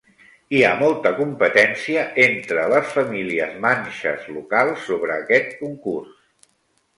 Hi ha molta competència entre les famílies manxes locals sobre aquest concurs.